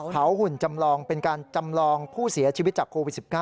เขาหุ่นจำลองเป็นการจำลองผู้เสียชีวิตจากโควิด๑๙